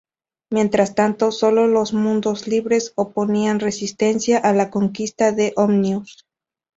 Mientras tanto, sólo los mundos libres oponían resistencia a la conquista de Omnius.